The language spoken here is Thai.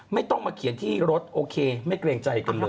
ไม่ต้องมาเขียนที่รถโอเคไม่เกรงใจกันเลย